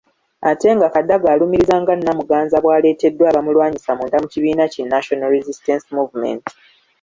Ate nga Kadaga alumirizza nga Namuganza bw'aleeteddwa abamulwanyisa munda mu kibiina ki National Resistance Movement.